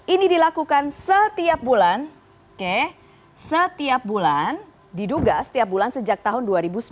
ini dilakukan setiap bulan setiap bulan diduga setiap bulan sejak tahun dua ribu sembilan belas